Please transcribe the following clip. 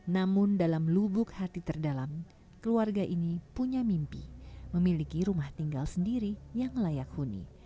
namun dalam lubuk hati terdalam keluarga ini punya mimpi memiliki rumah tinggal sendiri yang layak huni